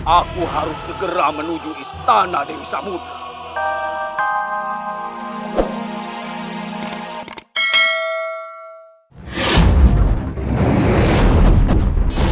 aku harus segera menuju istana dewi samudera